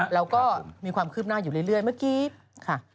เราก็มีความคืบหน้าอยู่เรื่อยเมื่อกี้ค่ะ